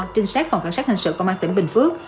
trinh sát phòng cảnh sát hình sự công an tỉnh bình phước